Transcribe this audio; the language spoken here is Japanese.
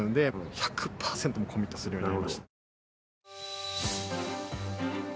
１００％コミットするようになりました。